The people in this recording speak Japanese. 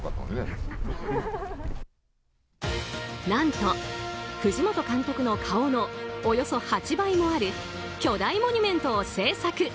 何と藤本監督の顔のおよそ８倍もある巨大モニュメントを製作。